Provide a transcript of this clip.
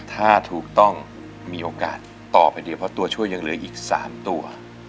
ถ้าถูกต้องมีโอกาสต่อไปดีเพราะตัวช่วยยังเหลืออีก๓ตัว